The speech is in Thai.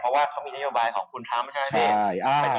เพราะว่าเขามีนโยบายของคุณทรัมป์ใช่ไหมพี่